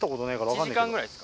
１時間ぐらいですか？